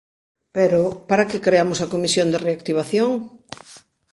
Pero ¿para que creamos a Comisión de Reactivación?